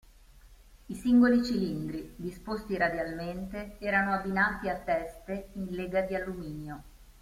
I singoli cilindri, disposti radialmente, erano abbinati a teste in lega di alluminio.